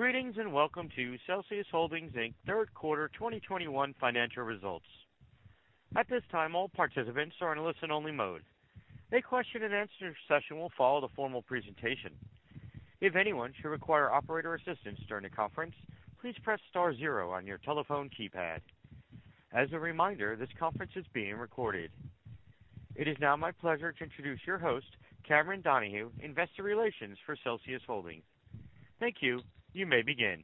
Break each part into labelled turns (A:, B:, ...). A: Greetings, and welcome to Celsius Holdings, Inc third quarter 2021 financial results. At this time, all participants are in listen-only mode. A question-and-answer session will follow the formal presentation. If anyone should require operator assistance during the conference, please press star zero on your telephone keypad. As a reminder, this conference is being recorded. It is now my pleasure to introduce your host, Cameron Donahue, Investor Relations for Celsius Holdings. Thank you. You may begin.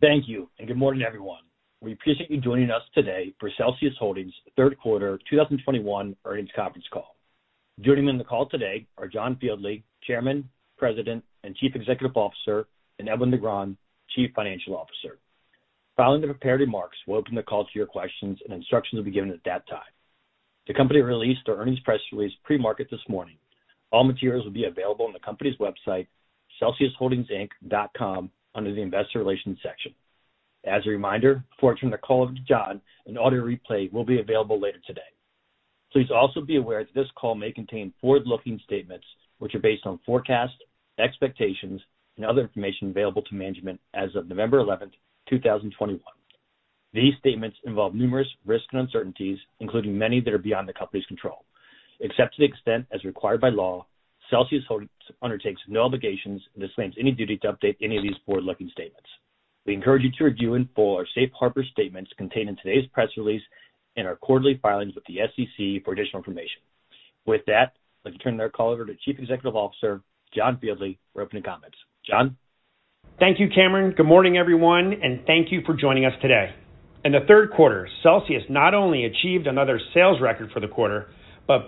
B: Thank you, and good morning, everyone. We appreciate you joining us today for Celsius Holdings Q3 2021 earnings conference call. Joining me on the call today are John Fieldly, Chairman, President, and Chief Executive Officer, and Edwin Negron, Chief Financial Officer. Following the prepared remarks, we'll open the call to your questions, and instructions will be given at that time. The company released their earnings press release pre-market this morning. All materials will be available on the company's website, celsiusholdingsinc.com, under the Investor Relations section. As a reminder, before I turn the call over to John, an audio replay will be available later today. Please also be aware that this call may contain forward-looking statements which are based on forecasts, expectations, and other information available to management as of November 11, 2021. These statements involve numerous risks and uncertainties, including many that are beyond the company's control. Except to the extent as required by law, Celsius Holdings undertakes no obligations and disclaims any duty to update any of these forward-looking statements. We encourage you to review in full our safe harbor statements contained in today's press release and our quarterly filings with the SEC for additional information. With that, let me turn the call over to Chief Executive Officer, John Fieldly, for opening comments. John?
C: Thank you, Cameron. Good morning, everyone, and thank you for joining us today. In the third quarter, Celsius not only achieved another sales record for the quarter but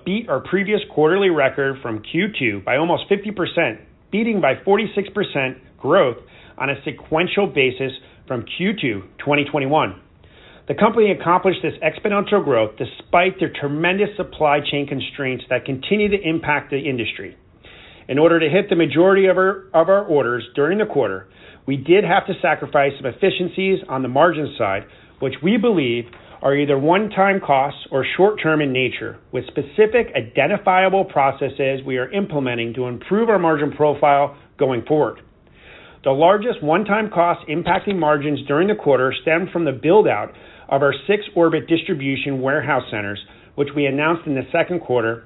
C: beat our previous quarterly record from Q2 by almost 50%, beating by 46% growth on a sequential basis from Q2 2021. The company accomplished this exponential growth despite the tremendous supply chain constraints that continue to impact the industry. In order to hit the majority of our orders during the quarter, we did have to sacrifice some efficiencies on the margin side, which we believe are either one-time costs or short-term in nature, with specific identifiable processes we are implementing to improve our margin profile going forward. The largest one-time cost impacting margins during the quarter stemmed from the build-out of our six Orbit distribution warehouse centers, which we announced in the second quarter.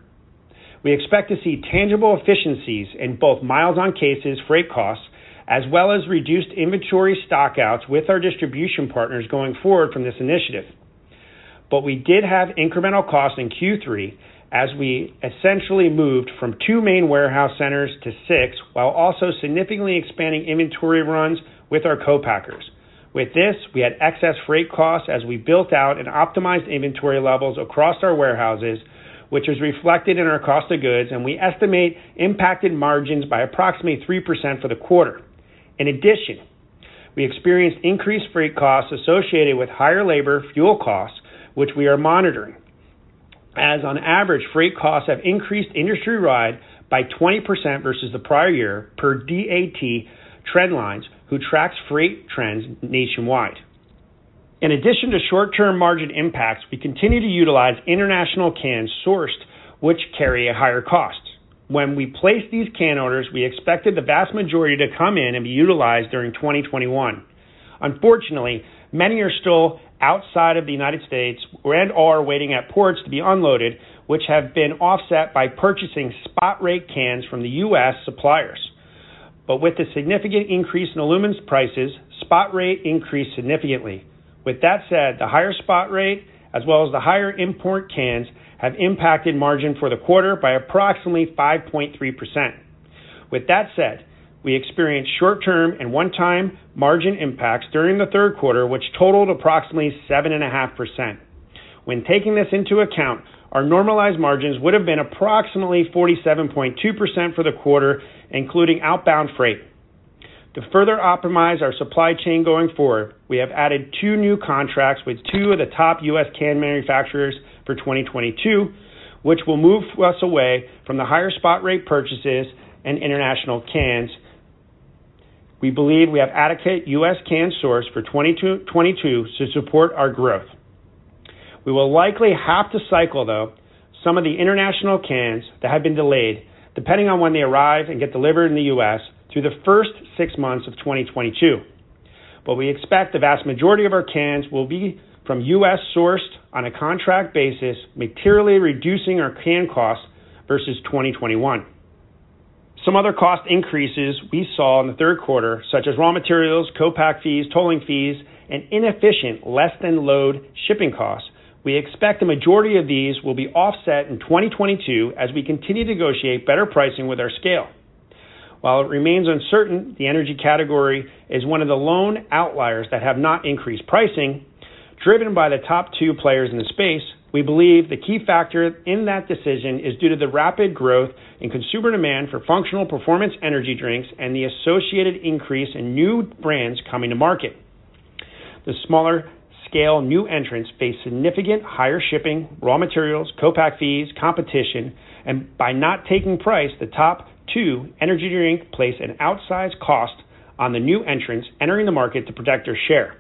C: We expect to see tangible efficiencies in both miles on cases, freight costs, as well as reduced inventory stockouts with our distribution partners going forward from this initiative. We did have incremental costs in Q3 as we essentially moved from two main warehouse centers to six, while also significantly expanding inventory runs with our co-packers. With this, we had excess freight costs as we built out and optimized inventory levels across our warehouses, which was reflected in our cost of goods, and we estimate impacted margins by approximately 3% for the quarter. In addition, we experienced increased freight costs associated with higher labor fuel costs, which we are monitoring. As on average, freight costs have increased industry-wide by 20% versus the prior year per DAT Trendlines, who tracks freight trends nationwide. In addition to short-term margin impacts, we continue to utilize international cans sourced, which carry a higher cost. When we placed these can orders, we expected the vast majority to come in and be utilized during 2021. Unfortunately, many are still outside of the United States and/or waiting at ports to be unloaded, which have been offset by purchasing spot rate cans from the U.S. suppliers. With the significant increase in aluminum prices, spot rate increased significantly. With that said, the higher spot rate as well as the higher import cans have impacted margin for the quarter by approximately 5.3%. With that said, we experienced short-term and one-time margin impacts during the third quarter, which totaled approximately 7.5%. When taking this into account, our normalized margins would have been approximately 47.2% for the quarter, including outbound freight. To further optimize our supply chain going forward, we have added two new contracts with two of the top U.S. can manufacturers for 2022, which will move us away from the higher spot rate purchases and international cans. We believe we have adequate U.S. can source for 2022 to support our growth. We will likely have to cycle, though, some of the international cans that have been delayed, depending on when they arrive and get delivered in the U.S. through the first six months of 2022. We expect the vast majority of our cans will be from U.S.-sourced on a contract basis, materially reducing our can costs versus 2021. Some other cost increases we saw in the third quarter, such as raw materials, co-pack fees, tolling fees, and inefficient less-than-load shipping costs. We expect the majority of these will be offset in 2022 as we continue to negotiate better pricing with our scale. While it remains uncertain, the energy category is one of the lone outliers that have not increased pricing, driven by the top two players in the space. We believe the key factor in that decision is due to the rapid growth in consumer demand for functional performance energy drinks and the associated increase in new brands coming to market. The smaller scale new entrants face significant higher shipping, raw materials, co-pack fees, competition, and by not taking price, the top two energy drinks place an outsized cost on the new entrants entering the market to protect their share.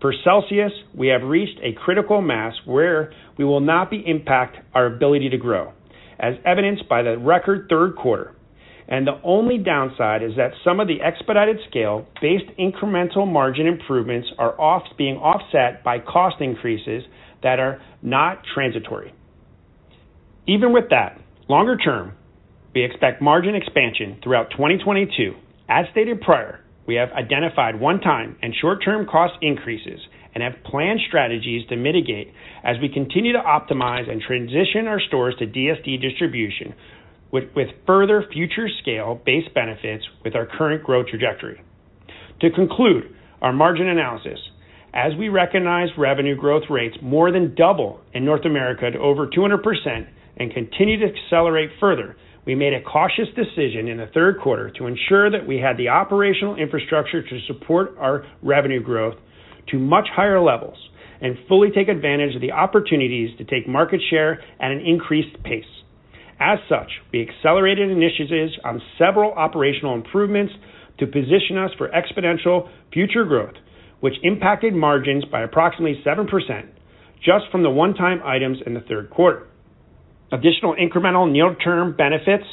C: For Celsius, we have reached a critical mass where we will not impact our ability to grow, as evidenced by the record third quarter. The only downside is that some of the expedited scale-based incremental margin improvements are being offset by cost increases that are not transitory. Even with that, longer term, we expect margin expansion throughout 2022. As stated prior, we have identified one-time and short-term cost increases and have planned strategies to mitigate as we continue to optimize and transition our stores to DSD distribution with further future scale-based benefits with our current growth trajectory. To conclude our margin analysis, as we recognize revenue growth rates more than double in North America to over 200% and continue to accelerate further, we made a cautious decision in the third quarter to ensure that we had the operational infrastructure to support our revenue growth to much higher levels and fully take advantage of the opportunities to take market share at an increased pace. As such, we accelerated initiatives on several operational improvements to position us for exponential future growth, which impacted margins by approximately 7% just from the one-time items in the third quarter. Additional incremental near-term benefits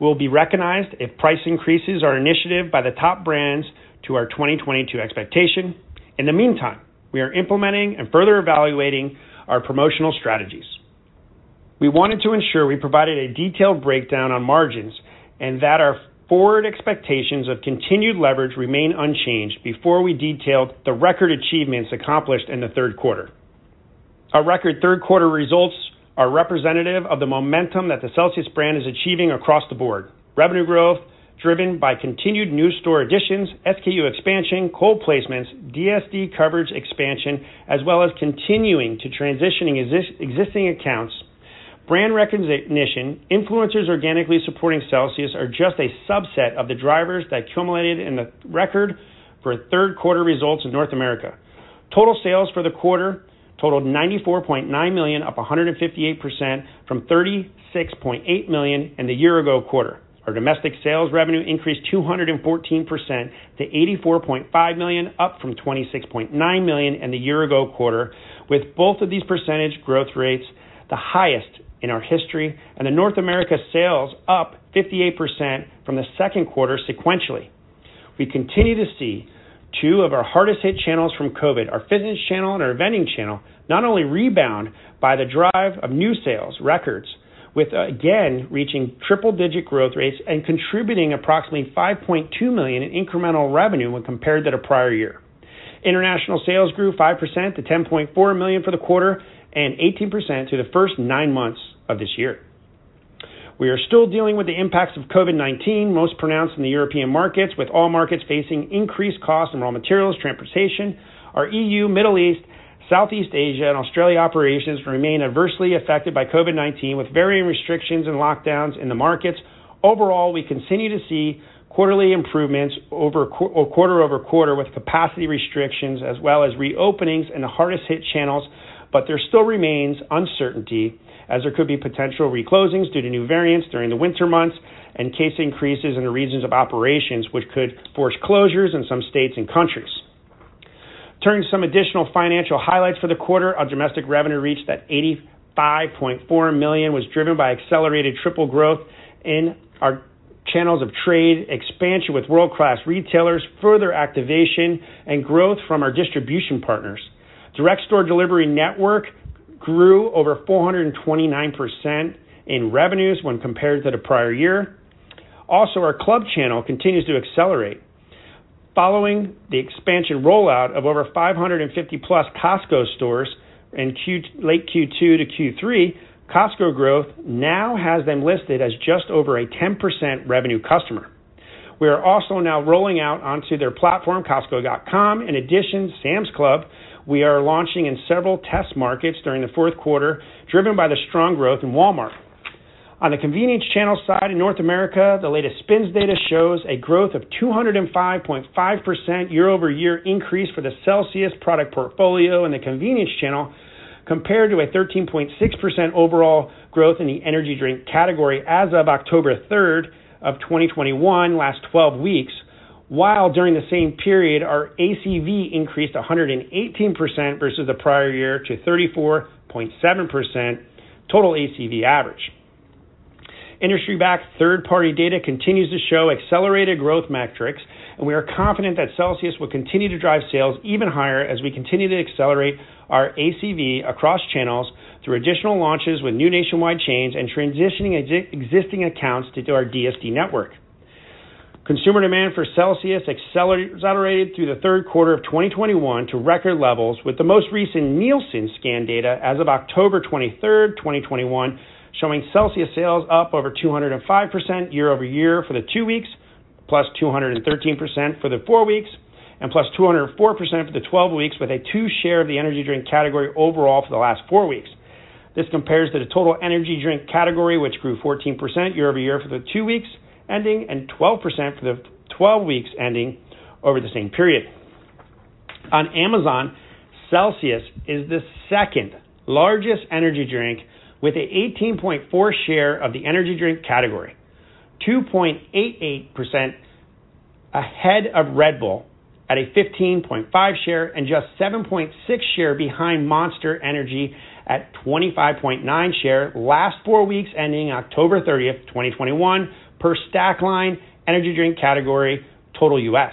C: will be recognized if price increases are initiated by the top brands to our 2022 expectation. In the meantime, we are implementing and further evaluating our promotional strategies. We wanted to ensure we provided a detailed breakdown on margins and that our forward expectations of continued leverage remain unchanged before we detailed the record achievements accomplished in the third quarter. Our record third quarter results are representative of the momentum that the Celsius brand is achieving across the board. Revenue growth driven by continued new store additions, SKU expansion, cold placements, DSD coverage expansion, as well as continuing to transitioning existing accounts. Brand recognition, influencers organically supporting Celsius are just a subset of the drivers that accumulated in the record third quarter results in North America. Total sales for the quarter totaled $94.9 million, up 158% from $36.8 million in the year ago quarter. Our domestic sales revenue increased 214% to $84.5 million, up from $26.9 million in the year ago quarter, with both of these percentage growth rates the highest in our history, and the North America sales up 58% from the second quarter sequentially. We continue to see two of our hardest hit channels from COVID, our fitness channel and our vending channel, not only rebound, but drive new sales records, with again reaching triple-digit growth rates and contributing approximately $5.2 million in incremental revenue when compared to the prior year. International sales grew 5% to $10.4 million for the quarter and 18% through the first nine months of this year. We are still dealing with the impacts of COVID-19, most pronounced in the European markets, with all markets facing increased costs in raw materials, transportation. Our EU, Middle East, Southeast Asia, and Australia operations remain adversely affected by COVID-19, with varying restrictions and lockdowns in the markets. Overall, we continue to see quarterly improvements quarter-over-quarter with capacity restrictions as well as reopenings in the hardest hit channels, but there still remains uncertainty as there could be potential reclosings due to new variants during the winter months and case increases in the regions of operations, which could force closures in some states and countries. Turning to some additional financial highlights for the quarter. Our domestic revenue reached that $85.4 million, was driven by accelerated triple growth in our channels of trade, expansion with world-class retailers, further activation, and growth from our distribution partners. Direct store delivery network grew over 429% in revenues when compared to the prior year. Also, our club channel continues to accelerate. Following the expansion rollout of over 550+ Costco stores in late Q2 to Q3, Costco growth now has them listed as just over a 10% revenue customer. We are also now rolling out onto their platform, costco.com. In addition, Sam's Club, we are launching in several test markets during the fourth quarter, driven by the strong growth in Walmart. On the convenience channel side in North America, the latest SPINS data shows a growth of 205.5% year-over-year increase for the CELSIUS product portfolio in the convenience channel, compared to a 13.6% overall growth in the energy drink category as of October 3, 2021, last twelve weeks. While during the same period, our ACV increased 118% versus the prior year to 34.7% total ACV average. Industry-backed third-party data continues to show accelerated growth metrics, and we are confident that Celsius will continue to drive sales even higher as we continue to accelerate our ACV across channels through additional launches with new nationwide chains and transitioning existing accounts to our DSD network. Consumer demand for Celsius accelerated through the third quarter of 2021 to record levels, with the most recent Nielsen scan data as of October 23, 2021, showing Celsius sales up over 205% year-over-year for the two weeks, +213% for the four weeks, and +204% for the 12 weeks, with a 2% share of the energy drink category overall for the last four weeks. This compares to the total energy drink category, which grew 14% year-over-year for the two weeks ending and 12% for the twelve weeks ending over the same period. On Amazon, Celsius is the second largest energy drink with an 18.4% share of the energy drink category, 2.88% ahead of Red Bull at a 15.5% share and just 7.6% share behind Monster Energy at 25.9% share last four weeks ending October 30, 2021 per Stackline Energy Drink category total U.S.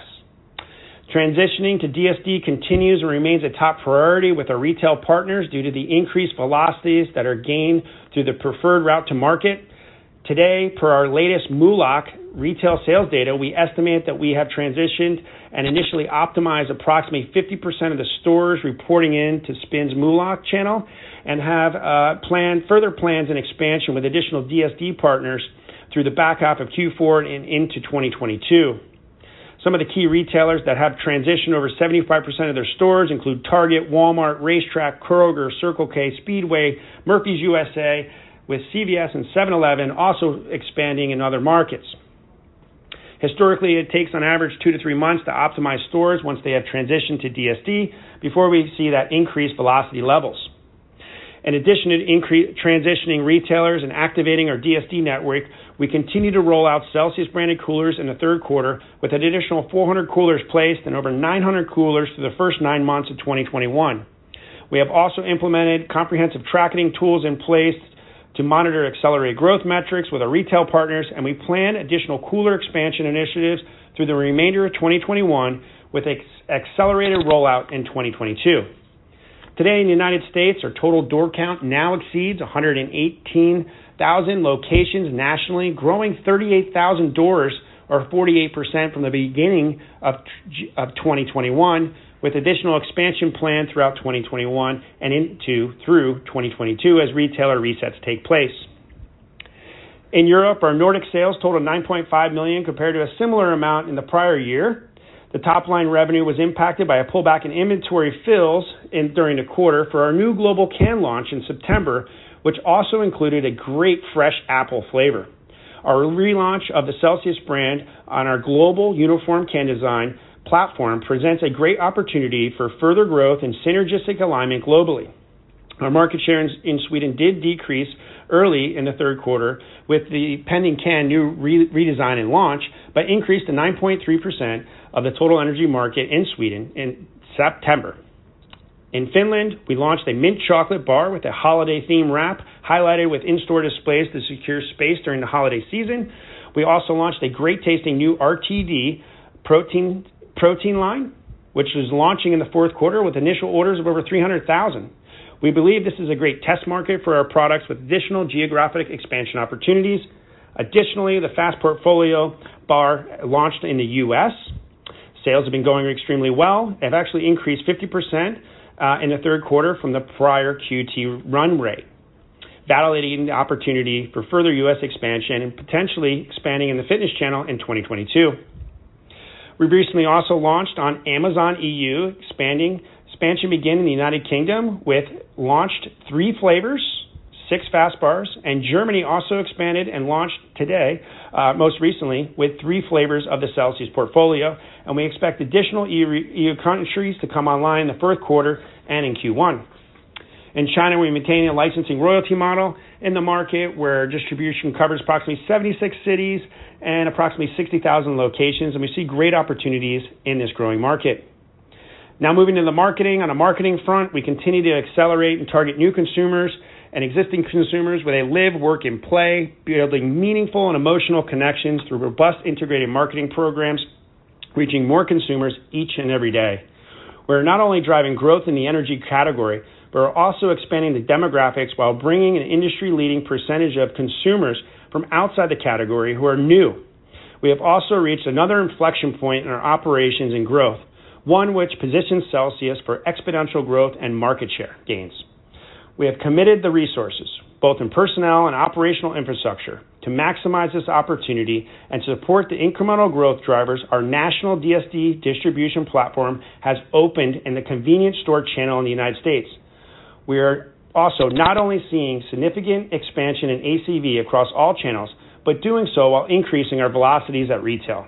C: Transitioning to DSD continues and remains a top priority with our retail partners due to the increased velocities that are gained through the preferred route to market. Today, for our latest MULO retail sales data, we estimate that we have transitioned and initially optimized approximately 50% of the stores reporting in to SPINS MULO channel and have further plans and expansion with additional DSD partners through the back half of Q4 and into 2022. Some of the key retailers that have transitioned over 75% of their stores include Target, Walmart, RaceTrac, Kroger, Circle K, Speedway, Murphy USA, with CVS and 7-Eleven also expanding in other markets. Historically, it takes on average two to three months to optimize stores once they have transitioned to DSD before we see that increased velocity levels. In addition to transitioning retailers and activating our DSD network, we continue to roll out CELSIUS branded coolers in the third quarter with an additional 400 coolers placed and over 900 coolers through the first nine months of 2021. We have also implemented comprehensive tracking tools in place to monitor accelerated growth metrics with our retail partners, and we plan additional cooler expansion initiatives through the remainder of 2021 with accelerated rollout in 2022. Today in the U.S., our total door count now exceeds 118,000 locations nationally, growing 38,000 doors or 48% from the beginning of 2021, with additional expansion planned throughout 2021 and into 2022 as retailer resets take place. In Europe, our Nordic sales total $9.5 million compared to a similar amount in the prior year. The top-line revenue was impacted by a pullback in inventory fills during the quarter for our new global can launch in September, which also included a great fresh apple flavor. Our relaunch of the CELSIUS brand on our global uniform can design platform presents a great opportunity for further growth and synergistic alignment globally. Our market shares in Sweden did decrease early in the third quarter with the pending new can redesign and launch, but increased to 9.3% of the total energy market in Sweden in September. In Finland, we launched a mint chocolate bar with a holiday theme wrap highlighted with in-store displays to secure space during the holiday season. We also launched a great tasting new RTD protein line, which is launching in the fourth quarter with initial orders of over 300,000. We believe this is a great test market for our products with additional geographic expansion opportunities. Additionally, the Fast portfolio bar launched in the U.S. Sales have been going extremely well. They've actually increased 50% in the third quarter from the prior quarter run rate, validating the opportunity for further U.S. expansion and potentially expanding in the fitness channel in 2022. We recently also launched on Amazon EU, expansion began in the United Kingdom with three flavors, six Fast bars, and Germany also expanded and launched today, most recently with three flavors of the Celsius portfolio, and we expect additional EU countries to come online in the fourth quarter and in Q1. In China, we're maintaining a licensing royalty model in the market where distribution covers approximately 76 cities and approximately 60,000 locations, and we see great opportunities in this growing market. Now moving to the marketing. On a marketing front, we continue to accelerate and target new consumers and existing consumers where they live, work, and play, building meaningful and emotional connections through robust integrated marketing programs, reaching more consumers each and every day. We're not only driving growth in the energy category, but we're also expanding the demographics while bringing an industry-leading percentage of consumers from outside the category who are new. We have also reached another inflection point in our operations and growth, one which positions Celsius for exponential growth and market share gains. We have committed the resources, both in personnel and operational infrastructure, to maximize this opportunity and to support the incremental growth drivers our national DSD distribution platform has opened in the convenience store channel in the United States. We are also not only seeing significant expansion in ACV across all channels, but doing so while increasing our velocities at retail.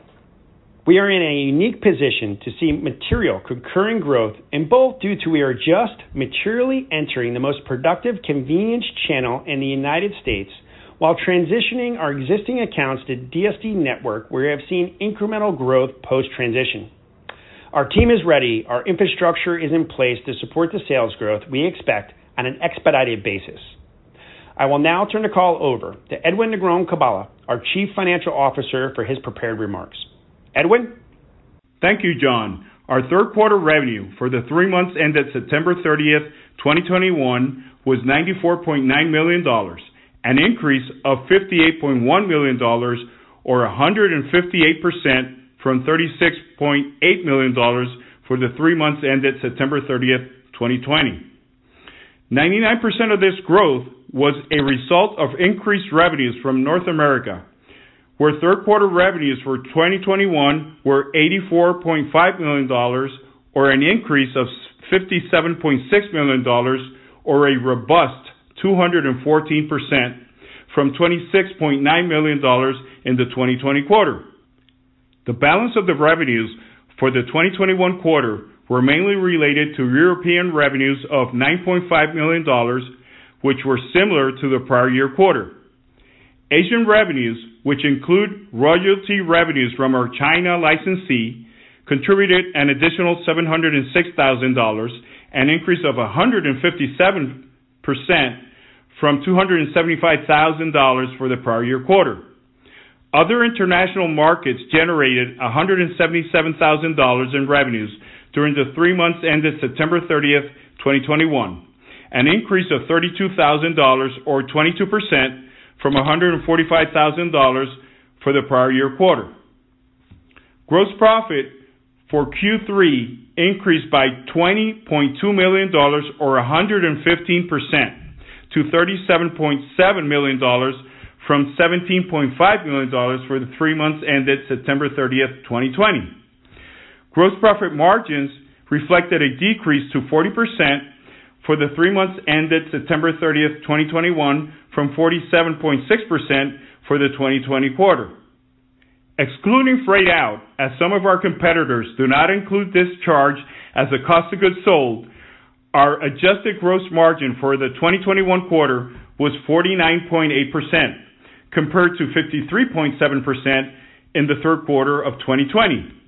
C: We are in a unique position to see material concurrent growth, and both due to we are just materially entering the most productive convenience channel in the United States while transitioning our existing accounts to DSD network, we have seen incremental growth post-transition. Our team is ready. Our infrastructure is in place to support the sales growth we expect on an expedited basis. I will now turn the call over to Edwin Negron-Carballo, our Chief Financial Officer, for his prepared remarks. Edwin.
D: Thank you, John. Our third quarter revenue for the three months ended September 30, 2021 was $94.9 million, an increase of $58.1 million or 158% from $36.8 million for the three months ended September 30, 2020. 99% of this growth was a result of increased revenues from North America, where third quarter revenues for 2021 were $84.5 million, or an increase of $57.6 million or a robust 214% from $26.9 million in the 2020 quarter. The balance of the revenues for the 2021 quarter were mainly related to European revenues of $9.5 million, which were similar to the prior year quarter. Asian revenues, which include royalty revenues from our China licensee, contributed an additional $706,000, an increase of 157% from $275,000 for the prior year quarter. Other international markets generated $177,000 in revenues during the three months ended September 30, 2021, an increase of $32,000 or 22% from $145,000 for the prior year quarter. Gross profit for Q3 increased by $20 million or 115% to $37.7 million from $17.5 million for the three months ended September 30, 2020. Gross profit margins reflected a decrease to 40% for the three months ended September 30, 2021 from 47.6% for the 2020 quarter. Excluding freight out, as some of our competitors do not include this charge as a cost of goods sold, our adjusted gross margin for the 2021 quarter was 49.8%, compared to 53.7% in the third quarter of 2020.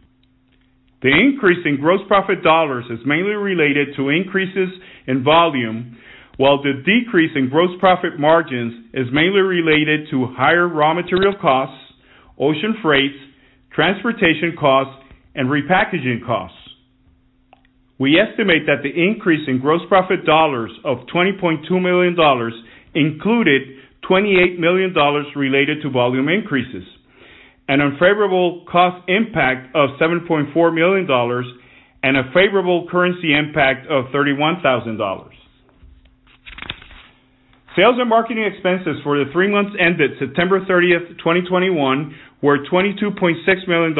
D: The increase in gross profit dollars is mainly related to increases in volume, while the decrease in gross profit margins is mainly related to higher raw material costs, ocean freights, transportation costs, and repackaging costs. We estimate that the increase in gross profit dollars of $20.2 million included $28 million related to volume increases, an unfavorable cost impact of $7.4 million, and a favorable currency impact of $31,000. Sales and marketing expenses for the three months ended September 30, 2021 were $22.6 million,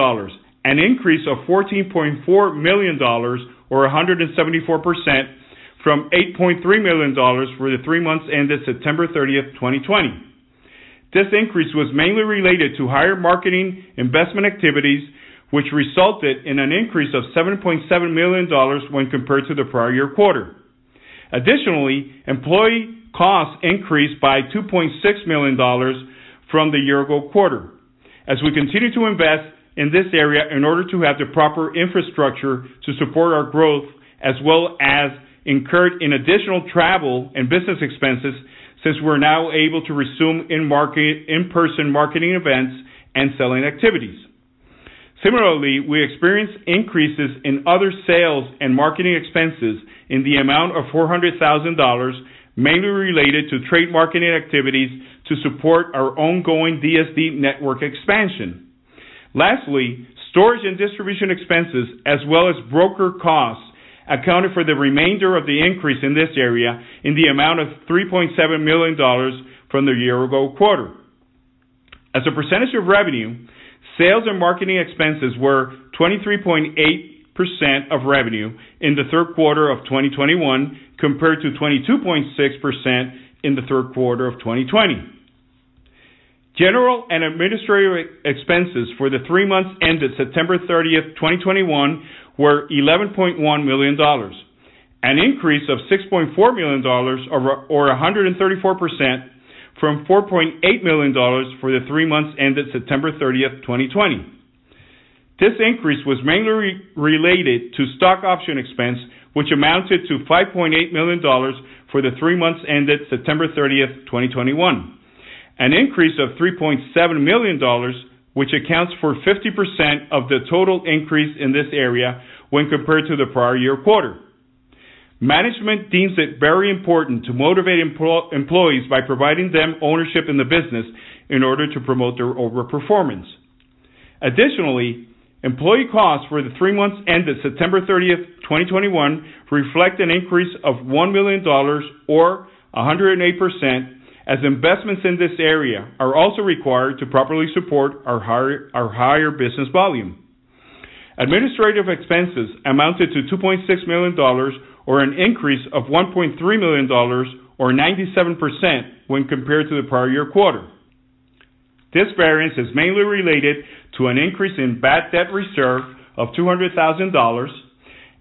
D: an increase of $14.4 million or 174% from $8.3 million for the three months ended September 30, 2020. This increase was mainly related to higher marketing investment activities, which resulted in an increase of $7.7 million when compared to the prior year quarter. Additionally, employee costs increased by $2.6 million from the year ago quarter as we continue to invest in this area in order to have the proper infrastructure to support our growth as well as incurred in additional travel and business expenses since we're now able to resume in-person marketing events and selling activities. Similarly, we experienced increases in other sales and marketing expenses in the amount of $400,000, mainly related to trade marketing activities to support our ongoing DSD network expansion. Lastly, storage and distribution expenses, as well as broker costs, accounted for the remainder of the increase in this area in the amount of $3.7 million from the year ago quarter. As a percentage of revenue, sales and marketing expenses were 23.8% of revenue in the third quarter of 2021 compared to 22.6% in the third quarter of 2020. General and administrative expenses for the three months ended September 30, 2021 were $11.1 million, an increase of $6.4 million or 134% from $4.8 million for the three months ended September 30, 2020. This increase was mainly related to stock option expense, which amounted to $5.8 million for the three months ended September 30, 2021, an increase of $3.7 million, which accounts for 50% of the total increase in this area when compared to the prior year quarter. Management deems it very important to motivate employees by providing them ownership in the business in order to promote their overperformance. Additionally, employee costs for the three months ended September 30, 2021 reflect an increase of $1 million or 108% as investments in this area are also required to properly support our higher business volume. Administrative expenses amounted to $2.6 million or an increase of $1.3 million or 97% when compared to the prior year quarter. This variance is mainly related to an increase in bad debt reserve of $200,000.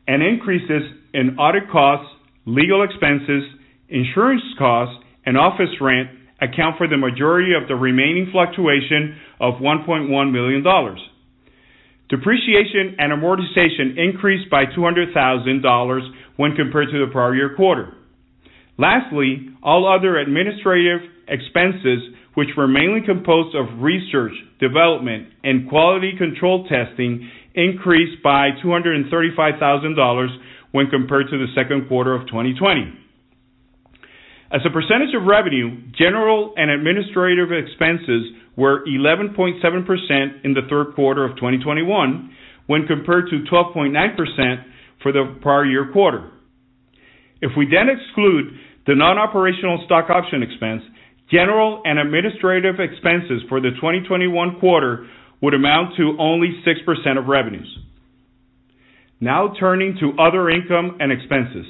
D: An increase in audit costs, legal expenses, insurance costs, and office rent account for the majority of the remaining fluctuation of $1.1 million. Depreciation and amortization increased by $200,000 when compared to the prior year quarter. Lastly, all other administrative expenses, which were mainly composed of research, development, and quality control testing, increased by $235,000 when compared to the second quarter of 2020. As a percentage of revenue, general and administrative expenses were 11.7% in the third quarter of 2021 when compared to 12.9% for the prior year quarter. If we then exclude the non-operational stock option expense, general and administrative expenses for the 2021 quarter would amount to only 6% of revenues. Now turning to other income and expenses.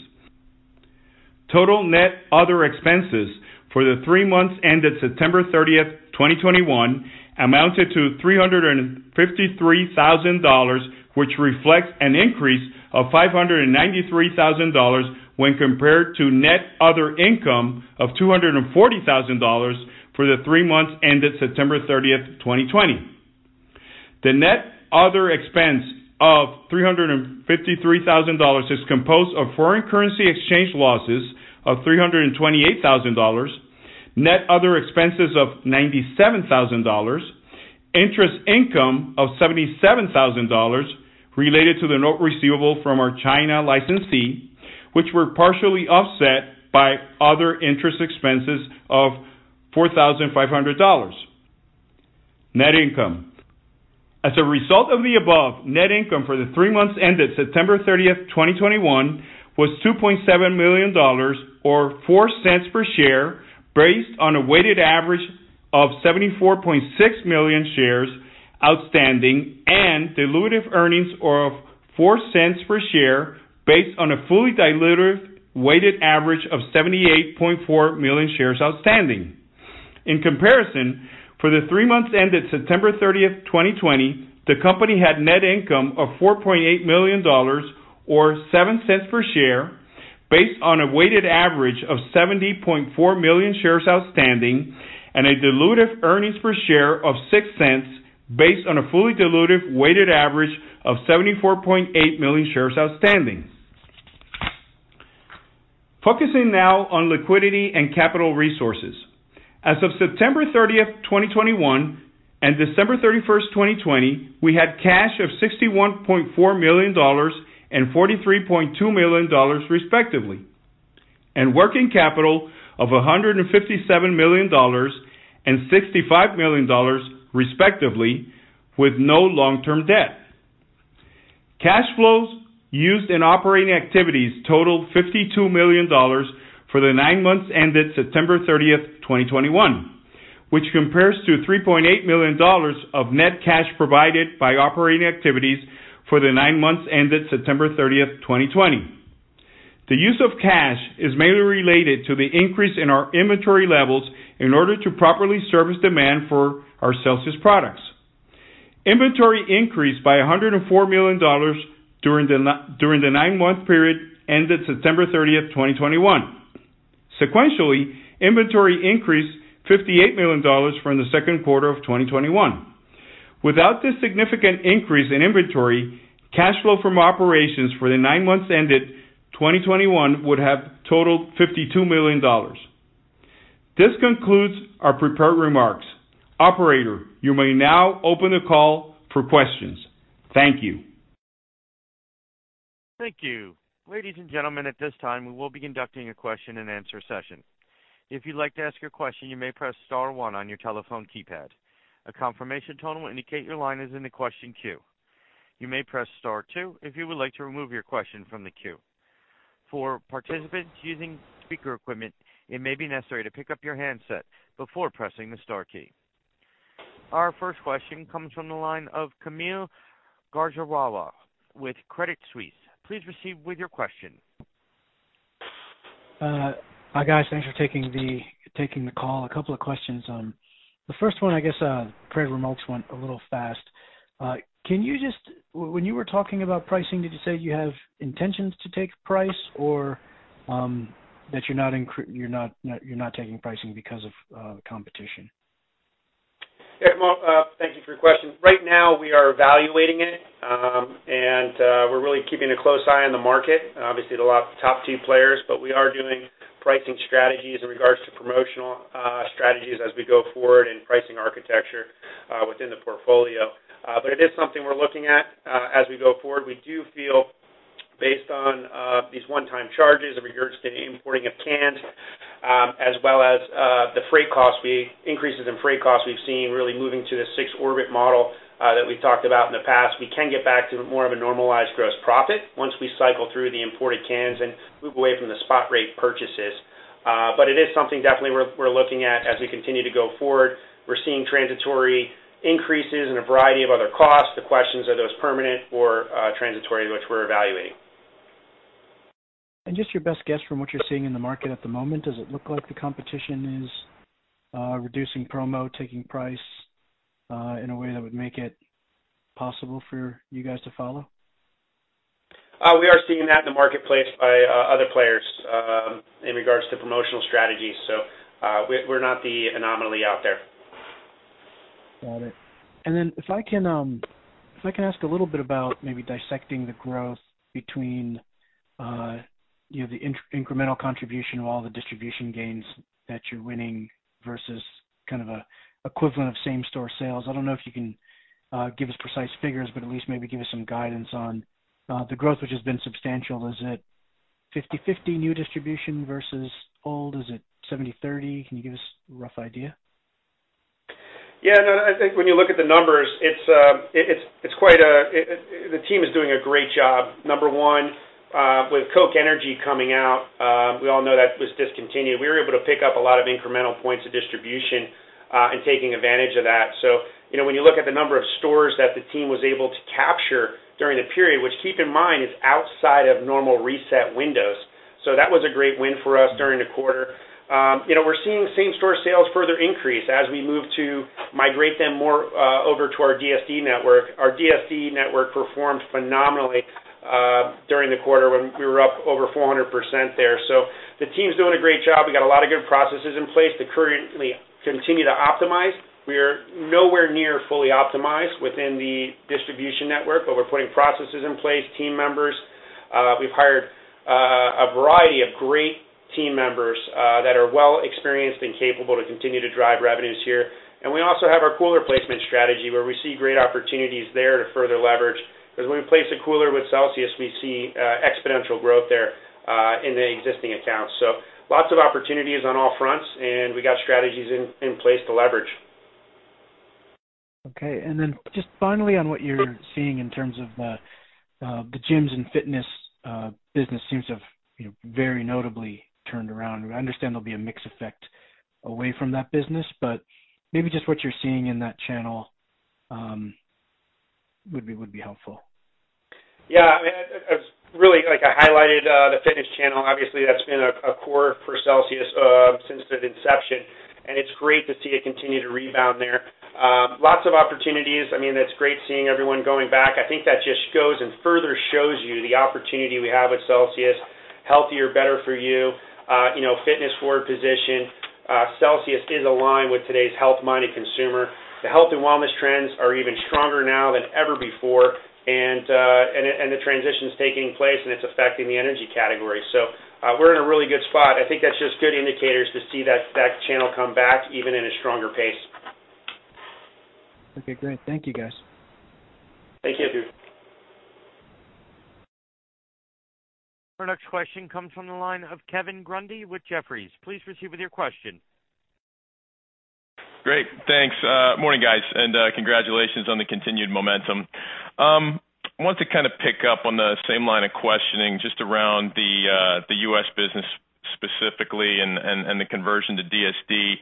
D: Total net other expenses for the three months ended September 30, 2021 amounted to $353 thousand, which reflects an increase of $593 thousand when compared to net other income of $240 thousand for the three months ended September 30, 2020. The net other expense of $353 thousand is composed of foreign currency exchange losses of $328 thousand, net other expenses of $97 thousand, interest income of $77 thousand related to the note receivable from our China licensee, which were partially offset by other interest expenses of $4,500. Net income. As a result of the above, net income for the three months ended September 30, 2021 was $2.7 million or $0.04 per share, based on a weighted average of 74.6 million shares outstanding and dilutive earnings of $0.04 per share based on a fully dilutive weighted average of 78.4 million shares outstanding. In comparison, for the three months ended September 30, 2020, the company had net income of $4.8 million or $0.07 per share based on a weighted average of 70.4 million shares outstanding and a dilutive earnings per share of $0.06 based on a fully dilutive weighted average of 74.8 million shares outstanding. Focusing now on liquidity and capital resources. As of September 30, 2021 and December 31, 2020, we had cash of $61.4 million and $43.2 million, respectively, and working capital of $157 million and $65 million, respectively, with no long-term debt. Cash flows used in operating activities totaled $52 million for the nine months ended September 30, 2021, which compares to $3.8 million of net cash provided by operating activities for the nine months ended September 30, 2020. The use of cash is mainly related to the increase in our inventory levels in order to properly service demand for our CELSIUS products. Inventory increased by $104 million during the nine-month period ended September 30, 2021. Sequentially, inventory increased $58 million from the second quarter of 2021. Without this significant increase in inventory, cash flow from operations for the nine months ended 2021 would have totaled $52 million. This concludes our prepared remarks. Operator, you may now open the call for questions. Thank you.
A: Thank you. Ladies and gentlemen, at this time, we will be conducting a question and answer session. If you'd like to ask your question, you may press star one on your telephone keypad. A confirmation tone will indicate your line is in the question queue. You may press star two if you would like to remove your question from the queue. For participants using speaker equipment, it may be necessary to pick up your handset before pressing the star key. Our first question comes from the line of Kaumil Gajrawala with Credit Suisse. Please proceed with your question.
E: Hi, guys. Thanks for taking the call. A couple of questions. The first one, I guess, prepared remarks went a little fast. Can you just, when you were talking about pricing, did you say you have intentions to take price or that you're not taking pricing because of the competition?
C: Yeah. Well, thank you for your question. Right now, we are evaluating it, and we're really keeping a close eye on the market. Obviously, there are a lot of top tier players, but we are doing pricing strategies in regards to promotional strategies as we go forward in pricing architecture within the portfolio. It is something we're looking at as we go forward. We do feel based on these one-time charges in regards to the importing of cans, as well as the increases in freight costs we've seen really moving to the six Orbit model that we've talked about in the past. We can get back to more of a normalized gross profit once we cycle through the imported cans and move away from the spot rate purchases. It is something definitely we're looking at as we continue to go forward. We're seeing transitory increases in a variety of other costs. The question is, are those permanent or transitory, which we're evaluating.
E: Just your best guess from what you're seeing in the market at the moment, does it look like the competition is reducing promo, taking price in a way that would make it possible for you guys to follow?
C: We are seeing that in the marketplace by other players in regards to promotional strategies. We're not the anomaly out there.
E: Got it. If I can ask a little bit about maybe dissecting the growth between the incremental contribution of all the distribution gains that you're winning versus kind of an equivalent of same store sales. I don't know if you can give us precise figures, but at least maybe give us some guidance on the growth, which has been substantial. Is it 50/50 new distribution versus old? Is it 70/30? Can you give us a rough idea?
C: Yeah. No, I think when you look at the numbers, it's quite. The team is doing a great job, number one. With Coca-Cola Energy coming out, we all know that was discontinued. We were able to pick up a lot of incremental points of distribution in taking advantage of that. You know, when you look at the number of stores that the team was able to capture during the period, which keep in mind, is outside of normal reset windows. That was a great win for us during the quarter. You know, we're seeing same-store sales further increase as we move to migrate them more over to our DSD network. Our DSD network performed phenomenally during the quarter when we were up over 400% there. The team's doing a great job. We got a lot of good processes in place to currently continue to optimize. We're nowhere near fully optimized within the distribution network, but we're putting processes in place, team members. We've hired a variety of great team members that are well experienced and capable to continue to drive revenues here. We also have our cooler placement strategy, where we see great opportunities there to further leverage. Because when we place a cooler with Celsius, we see exponential growth there in the existing accounts. Lots of opportunities on all fronts, and we got strategies in place to leverage.
E: Okay. Then just finally on what you're seeing in terms of the gyms and fitness business seems to have, you know, very notably turned around. I understand there'll be a mix effect away from that business, but maybe just what you're seeing in that channel would be helpful.
C: Yeah. I mean, I've really, like I highlighted, the fitness channel, obviously, that's been a core for Celsius, since the inception, and it's great to see it continue to rebound there. Lots of opportunities. I mean, that's great seeing everyone going back. I think that just shows and further shows you the opportunity we have with Celsius, healthier, better for you know, fitness forward position. Celsius is aligned with today's health-minded consumer. The health and wellness trends are even stronger now than ever before. The transition's taking place, and it's affecting the energy category. We're in a really good spot. I think that's just good indicators to see that channel come back even in a stronger pace.
E: Okay, great. Thank you, guys.
C: Thank you.
A: Our next question comes from the line of Kevin Grundy with Jefferies. Please proceed with your question.
F: Great. Thanks. Morning, guys, and congratulations on the continued momentum. I want to kind of pick up on the same line of questioning just around the U.S. business specifically and the conversion to DSD.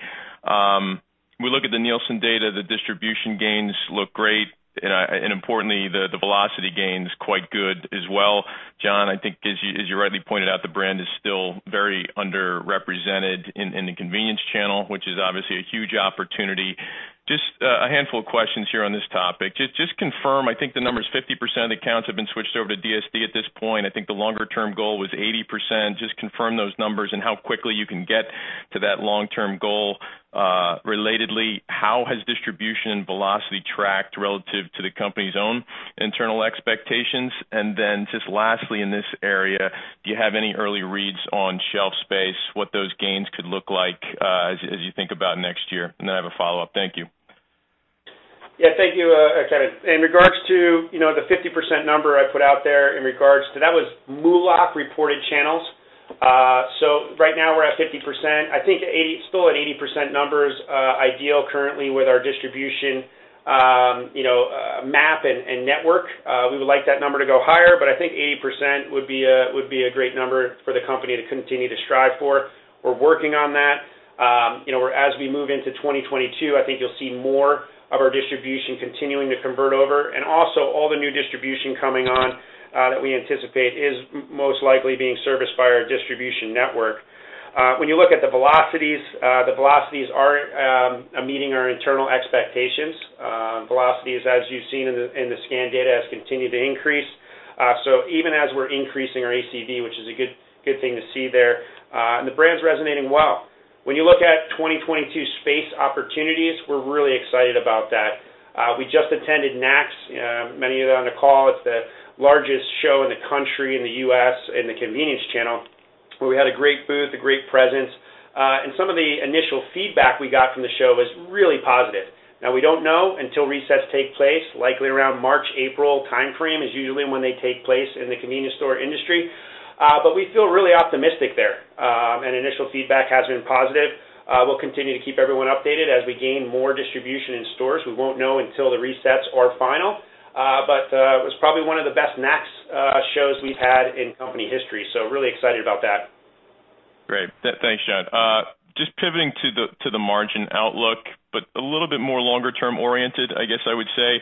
F: We look at the Nielsen data, the distribution gains look great, and importantly, the velocity gain is quite good as well. John, I think as you rightly pointed out, the brand is still very underrepresented in the convenience channel, which is obviously a huge opportunity. Just a handful of questions here on this topic. Just confirm, I think the number is 50% of the accounts have been switched over to DSD at this point. I think the longer-term goal was 80%. Just confirm those numbers and how quickly you can get to that long-term goal. Relatedly, how has distribution velocity tracked relative to the company's own internal expectations? Just lastly, in this area, do you have any early reads on shelf space, what those gains could look like, as you think about next year? I have a follow-up. Thank you.
C: Yeah, thank you, Kevin. In regards to, you know, the 50% number I put out there in regards to. That was MULO+C reported channels. So right now we're at 50%. I think still at 80% number is ideal currently with our distribution, you know, map and network. We would like that number to go higher, but I think 80% would be a great number for the company to continue to strive for. We're working on that. You know, as we move into 2022, I think you'll see more of our distribution continuing to convert over. Also all the new distribution coming on that we anticipate is most likely being serviced by our distribution network. When you look at the velocities, the velocities are meeting our internal expectations. Velocities, as you've seen in the scan data, has continued to increase. Even as we're increasing our ACV, which is a good thing to see there, and the brand's resonating well. When you look at 2022 space opportunities, we're really excited about that. We just attended NACS, many of you on the call. It's the largest show in the country, in the U.S., in the convenience channel, where we had a great booth, a great presence. Some of the initial feedback we got from the show was really positive. Now, we don't know until resets take place, likely around March-April timeframe is usually when they take place in the convenience store industry. We feel really optimistic there, and initial feedback has been positive. We'll continue to keep everyone updated as we gain more distribution in stores. We won't know until the resets are final. It was probably one of the best NACS shows we've had in company history, so really excited about that.
F: Great. Thanks, John. Just pivoting to the margin outlook, but a little bit more longer term oriented, I guess I would say.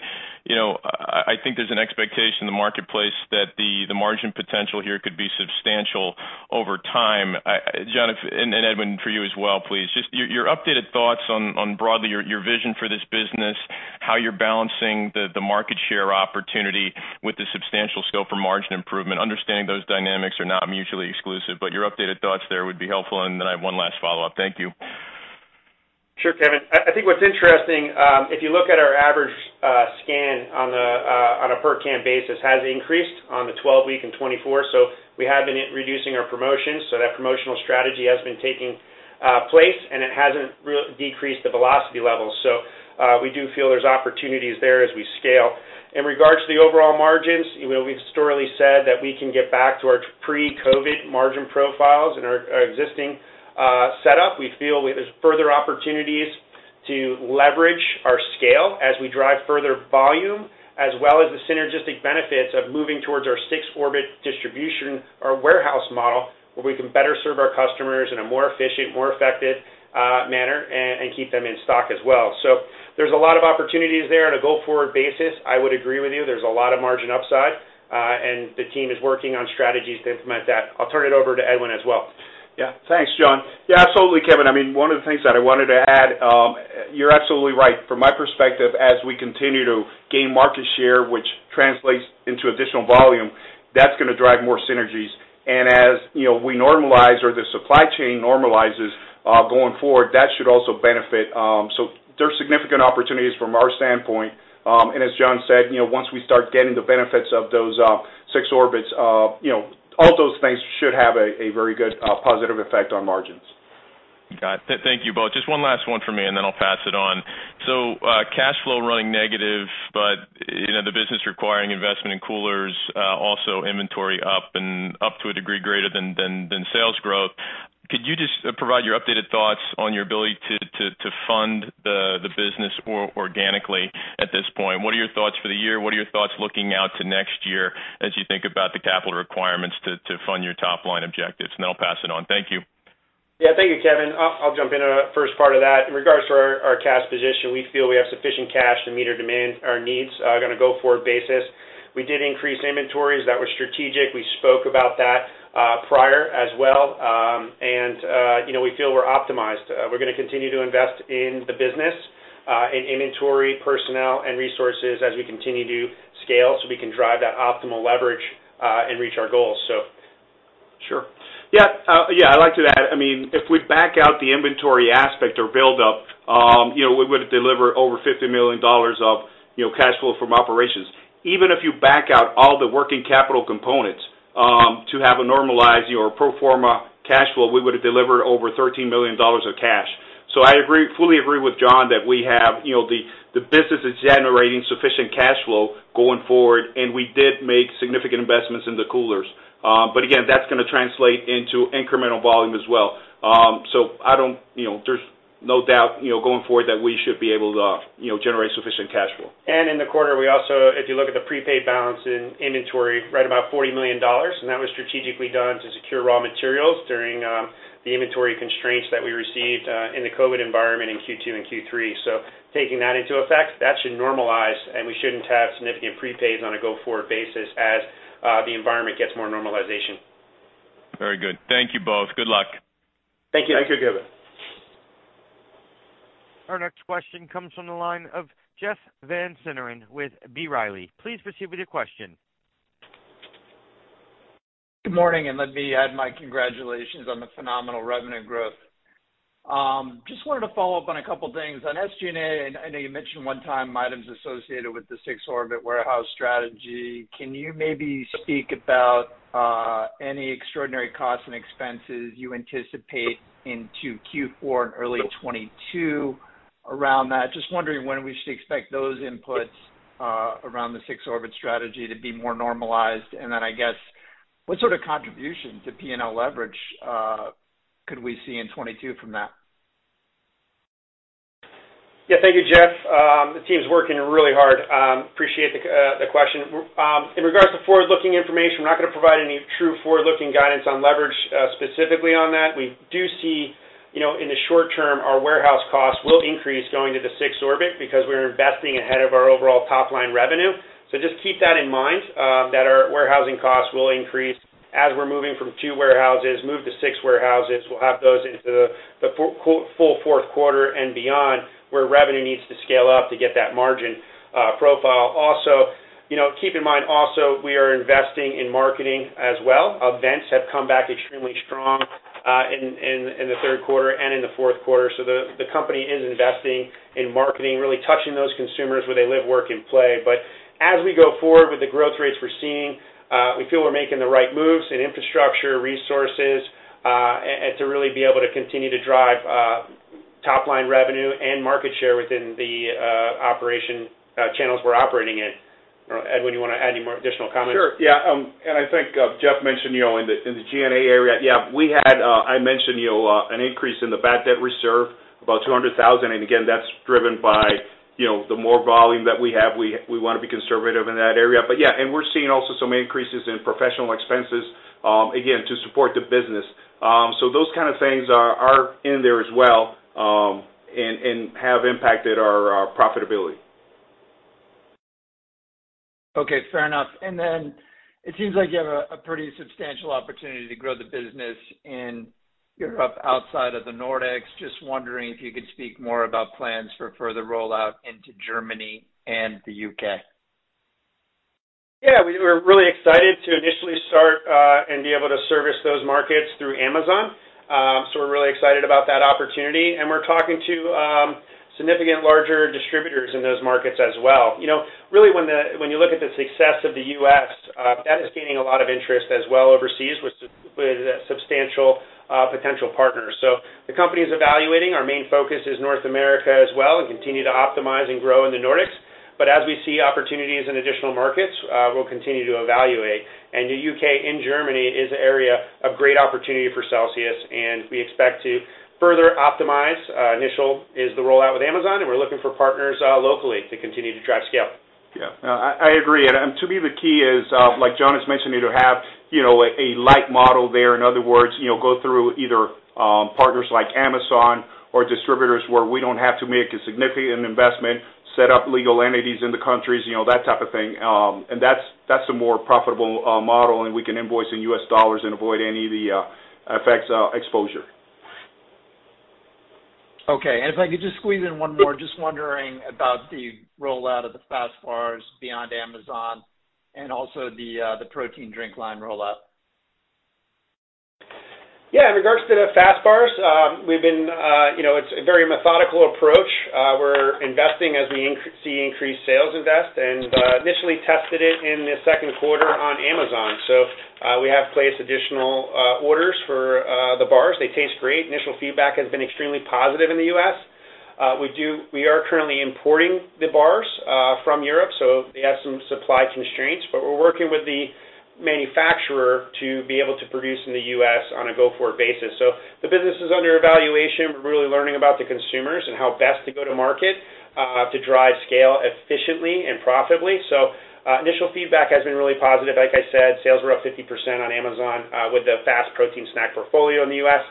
F: I think there's an expectation in the marketplace that the margin potential here could be substantial over time. John, and Edwin, for you as well, please. Just your updated thoughts on broadly your vision for this business, how you're balancing the market share opportunity with the substantial scope for margin improvement. Understanding those dynamics are not mutually exclusive, but your updated thoughts there would be helpful. Then I have one last follow-up. Thank you.
C: Sure, Kevin. I think what's interesting, if you look at our average scan on a per can basis, has increased on the 12-week and 24. We have been reducing our promotions, so that promotional strategy has been taking place, and it hasn't decreased the velocity levels. We do feel there's opportunities there as we scale. In regards to the overall margins, you know, we've historically said that we can get back to our pre-COVID margin profiles in our existing setup. We feel there's further opportunities to leverage our scale as we drive further volume, as well as the synergistic benefits of moving towards our six Orbit distribution or warehouse model, where we can better serve our customers in a more efficient, more effective manner and keep them in stock as well. There's a lot of opportunities there on a go-forward basis. I would agree with you, there's a lot of margin upside, and the team is working on strategies to implement that. I'll turn it over to Edwin as well.
D: Yeah. Thanks, John. Yeah, absolutely, Kevin. I mean, one of the things that I wanted to add, you're absolutely right. From my perspective, as we continue to gain market share, which translates into additional volume, that's gonna drive more synergies. As you know, we normalize or the supply chain normalizes going forward, that should also benefit. So there's significant opportunities from our standpoint. And as John said, you know, once we start getting the benefits of those six Orbits, you know, all those things should have a very good positive effect on margins.
F: Got it. Thank you both. Just one last one from me, and then I'll pass it on. Cash flow running negative, but, you know, the business requiring investment in coolers, also inventory up to a degree greater than sales growth. Could you just provide your updated thoughts on your ability to fund the business organically at this point? What are your thoughts for the year? What are your thoughts looking out to next year as you think about the capital requirements to fund your top line objectives? Then I'll pass it on. Thank you.
C: Yeah. Thank you, Kevin. I'll jump in on first part of that. In regards to our cash position, we feel we have sufficient cash to meet our demand, our needs on a go-forward basis. We did increase inventories that were strategic. We spoke about that prior as well. You know, we feel we're optimized. We're gonna continue to invest in the business in inventory, personnel, and resources as we continue to scale so we can drive that optimal leverage and reach our goals.
D: Sure. Yeah. Yeah, I'd like to add, I mean, if we back out the inventory aspect or buildup, you know, we would deliver over $50 million of, you know, cash flow from operations. Even if you back out all the working capital components, to have a normalized, you know, pro forma cash flow, we would have delivered over $13 million of cash. I agree, fully agree with John that we have, you know, the business is generating sufficient cash flow going forward, and we did make significant investments in the coolers. Again, that's gonna translate into incremental volume as well. I don't, you know, there's no doubt, you know, going forward that we should be able to, you know, generate sufficient cash flow.
C: In the quarter, we also, if you look at the prepaid balance in inventory, right about $40 million, and that was strategically done to secure raw materials during the inventory constraints that we received in the COVID environment in Q2 and Q3. Taking that into account, that should normalize, and we shouldn't have significant prepays on a go-forward basis as the environment gets more normal.
F: Very good. Thank you both. Good luck.
C: Thank you.
D: Thank you, Kevin.
A: Our next question comes from the line of Jeff Van Sinderen with B. Riley. Please proceed with your question.
G: Good morning, and let me add my congratulations on the phenomenal revenue growth. Just wanted to follow up on a couple things. On SG&A, and I know you mentioned one-time items associated with the six Orbit warehouse strategy, can you maybe speak about any extraordinary costs and expenses you anticipate into Q4 and early 2022 around that? Just wondering when we should expect those inputs around the six Orbit strategy to be more normalized. I guess, what sort of contribution to P&L leverage could we see in 2022 from that?
C: Yeah. Thank you, Jeff. The team's working really hard. Appreciate the question. In regards to forward-looking information, we're not gonna provide any true forward-looking guidance on leverage, specifically on that. We do see, you know, in the short term, our warehouse costs will increase going to the sixth Orbit because we're investing ahead of our overall top-line revenue. So just keep that in mind, that our warehousing costs will increase as we're moving from two warehouses to six warehouses. We'll have those into the full fourth quarter and beyond, where revenue needs to scale up to get that margin profile. Also, you know, keep in mind also, we are investing in marketing as well. Events have come back extremely strong in the third quarter and in the fourth quarter. The company is investing in marketing, really touching those consumers where they live, work, and play. As we go forward with the growth rates we're seeing, we feel we're making the right moves in infrastructure, resources, and to really be able to continue to drive top-line revenue and market share within the operating channels we're operating in. Edwin, you wanna add any more additional comments?
D: Sure. Yeah. I think Jeff mentioned, you know, in the G&A area. Yeah, we had I mentioned, you know, an increase in the bad debt reserve, about $200,000. Again, that's driven by, you know, the more volume that we have. We wanna be conservative in that area. Yeah, and we're seeing also some increases in professional expenses, again, to support the business. Those kind of things are in there as well, and have impacted our profitability.
G: Okay, fair enough. It seems like you have a pretty substantial opportunity to grow the business in Europe outside of the Nordics. Just wondering if you could speak more about plans for further rollout into Germany and the U.K.?
C: We're really excited to initially start and be able to service those markets through Amazon. We're really excited about that opportunity, and we're talking to significantly larger distributors in those markets as well. You know, really when you look at the success of the U.S., that is gaining a lot of interest as well overseas with substantial potential partners. The company is evaluating. Our main focus is North America as well and continue to optimize and grow in the Nordics. As we see opportunities in additional markets, we'll continue to evaluate. The U.K. and Germany is an area of great opportunity for Celsius, and we expect to further optimize. Initial is the rollout with Amazon, and we're looking for partners locally to continue to drive scale.
D: Yeah. I agree. To me, the key is, like John has mentioned, need to have, you know, a light model there. In other words, you know, go through either partners like Amazon or distributors where we don't have to make a significant investment, set up legal entities in the countries, you know, that type of thing. That's a more profitable model, and we can invoice in U.S. dollars and avoid any of the FX exposure.
G: Okay. If I could just squeeze in one more. Just wondering about the rollout of the Fast Bars beyond Amazon and also the protein drink line rollout.
C: In regards to the Fast Bars, you know, it's a very methodical approach. We're investing as we see increased sales, and initially tested it in the second quarter on Amazon. We have placed additional orders for the bars. They taste great. Initial feedback has been extremely positive in the U.S. We are currently importing the bars from Europe, so they have some supply constraints. We're working with the manufacturer to be able to produce in the U.S. on a go-forward basis. The business is under evaluation. We're really learning about the consumers and how best to go to market to drive scale efficiently and profitably. Initial feedback has been really positive. Like I said, sales were up 50% on Amazon, with the Fast protein snack portfolio in the U.S.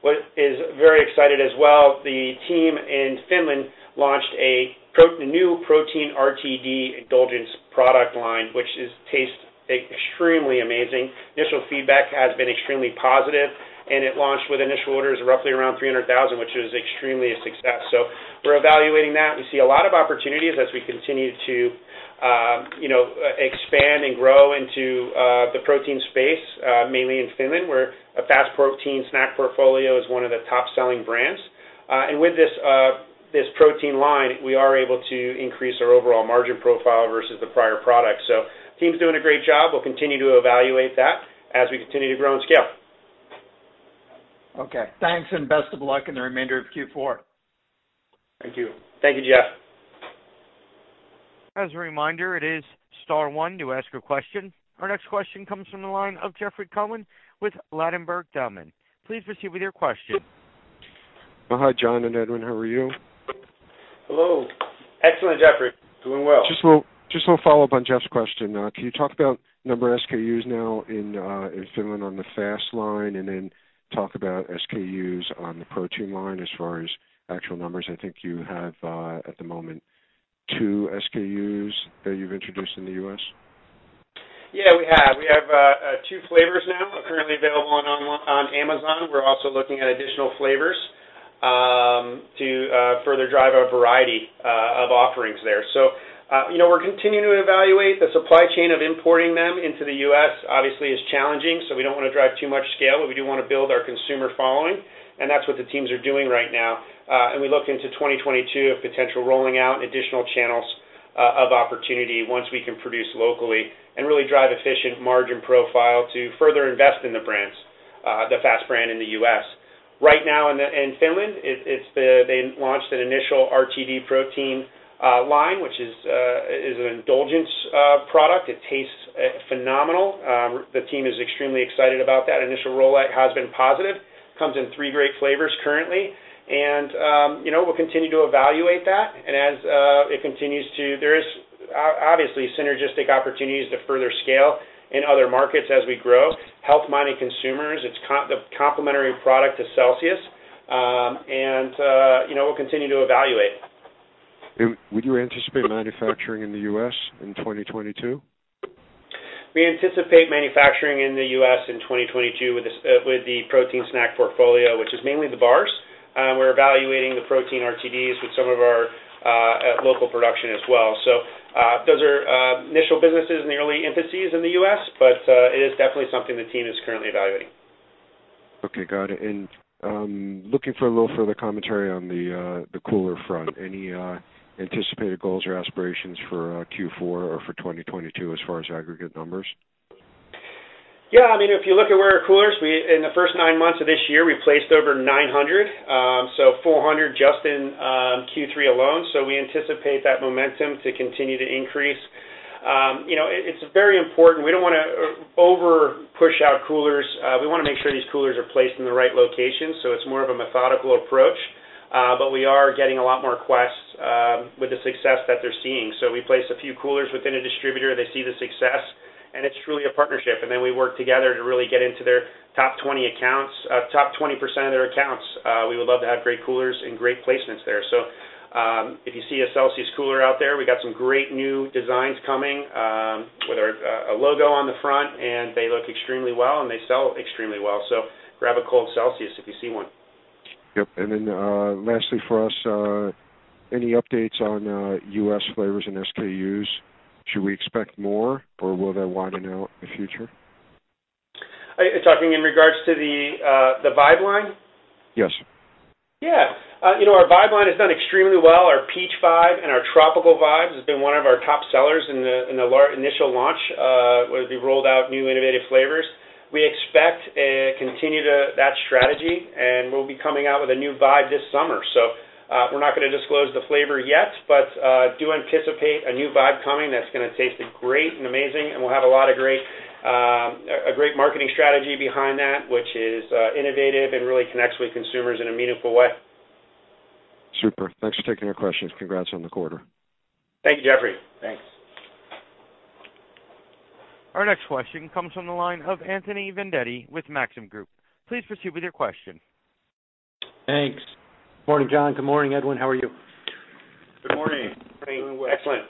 C: What is very exciting as well, the team in Finland launched a new protein RTD indulgence product line, which is tastes extremely amazing. Initial feedback has been extremely positive, and it launched with initial orders roughly around 300,000, which is extremely a success. We're evaluating that. We see a lot of opportunities as we continue to expand and grow into the protein space, mainly in Finland, where a Fast protein snack portfolio is one of the top-selling brands. With this protein line, we are able to increase our overall margin profile versus the prior product. Team's doing a great job. We'll continue to evaluate that as we continue to grow and scale.
G: Okay. Thanks, and best of luck in the remainder of Q4.
D: Thank you.
C: Thank you, Jeff.
A: As a reminder, it is star one to ask a question. Our next question comes from the line of Jeffrey Cohen with Ladenburg Thalmann. Please proceed with your question.
H: Hi, John and Edwin. How are you?
C: Hello. Excellent, Jeffrey. Doing well.
H: Just a little follow-up on Jeff's question. Can you talk about number of SKUs now in Finland on the Fast line, and then talk about SKUs on the protein line as far as actual numbers? I think you have at the moment two SKUs that you've introduced in the U.S.
C: Yeah, we have two flavors now currently available on Amazon. We're also looking at additional flavors to further drive our variety of offerings there. You know, we're continuing to evaluate. The supply chain of importing them into the U.S. obviously is challenging, so we don't wanna drive too much scale, but we do wanna build our consumer following, and that's what the teams are doing right now. We look into 2022 of potential rolling out additional channels of opportunity once we can produce locally and really drive efficient margin profile to further invest in the brands, the Fast brand in the U.S. Right now in Finland, they launched an initial RTD protein line, which is an indulgence product. It tastes phenomenal. The team is extremely excited about that. Initial rollout has been positive. Comes in three great flavors currently. You know, we'll continue to evaluate that. As it continues, there is obviously synergistic opportunities to further scale in other markets as we grow. Health-minded consumers, it's the complementary product to Celsius. You know, we'll continue to evaluate.
H: Would you anticipate manufacturing in the U.S. in 2022?
C: We anticipate manufacturing in the U.S. in 2022 with the protein snack portfolio, which is mainly the bars. We're evaluating the protein RTDs with some of our local production as well. Those are initial businesses and the early emphases in the U.S., but it is definitely something the team is currently evaluating.
H: Okay, got it. Looking for a little further commentary on the cooler front. Any anticipated goals or aspirations for Q4 or for 2022 as far as aggregate numbers?
C: Yeah. I mean, if you look at where our coolers in the first nine months of this year, we placed over 900, 400 just in Q3 alone. We anticipate that momentum to continue to increase. You know, it's very important. We don't wanna over push out coolers. We wanna make sure these coolers are placed in the right location, so it's more of a methodical approach. We are getting a lot more requests with the success that they're seeing. We place a few coolers within a distributor, they see the success, and it's truly a partnership. We work together to really get into their top 20 accounts, top 20% of their accounts, we would love to have great coolers and great placements there. If you see a CELSIUS cooler out there, we got some great new designs coming with our a logo on the front, and they look extremely well, and they sell extremely well. Grab a cold CELSIUS if you see one.
H: Yep. Lastly for us, any updates on U.S. flavors and SKUs? Should we expect more, or will they widen out in the future?
C: Are you talking in regards to the Vibe line?
H: Yes.
C: Yeah. You know, our VIBE line has done extremely well. Our Peach Vibe and our Tropical Vibe has been one of our top sellers in the initial launch, where we rolled out new innovative flavors. We expect to continue that strategy, and we'll be coming out with a new VIBE this summer. We're not gonna disclose the flavor yet, but we do anticipate a new VIBE coming that's gonna taste great and amazing, and we'll have a lot of great marketing strategy behind that, which is innovative and really connects with consumers in a meaningful way.
H: Super. Thanks for taking our questions. Congrats on the quarter.
C: Thank you, Jeffrey. Thanks.
A: Our next question comes from the line of Anthony Vendetti with Maxim Group. Please proceed with your question.
I: Thanks. Morning, John. Good morning, Edwin. How are you?
C: Good morning.
D: Good morning.
C: Excellent.